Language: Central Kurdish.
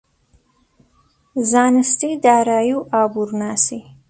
زانستی دارایی و ئابوورناسی